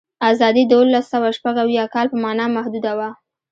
آزادي د اوولسسوهشپږاویا کال په معنا محدوده وه.